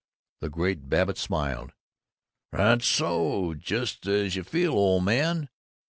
The great Babbitt smiled. "That's so. Just as you feel, old man.